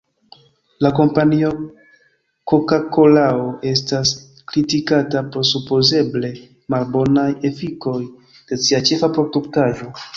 La kompanio Koka-Kolao estas kritikata pro supozeble malbonaj efikoj de sia ĉefa produktaĵo.